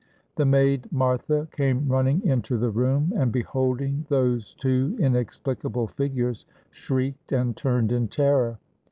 The maid Martha came running into the room, and beholding those two inexplicable figures, shrieked, and turned in terror.